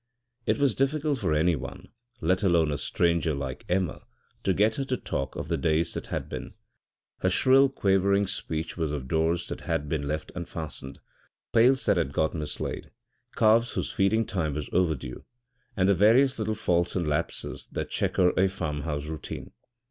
It was difficult for anyone, let alone a stranger like Emma, to get her to talk of the days that had been; her shrill, quavering speech was of doors that had been left unfastened, pails that had got mislaid, calves whose feeding time was overdue, and the various little faults and lapses that chequer a farmhouse routine.